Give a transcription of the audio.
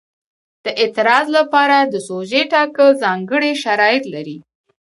د اعتراض لپاره د سوژې ټاکل ځانګړي شرایط لري.